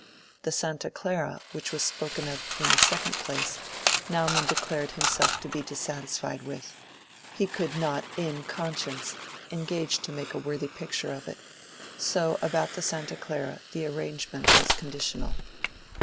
The Santa Clara, which was spoken of in the second place, Naumann declared himself to be dissatisfied with—he could not, in conscience, engage to make a worthy picture of it; so about the Santa Clara the arrangement was conditional.